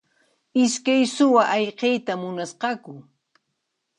Iskay suwa ayqiyta munasqaku.